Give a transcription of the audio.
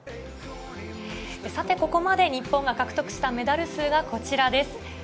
ここまで日本が獲得したメダル数がこちらです。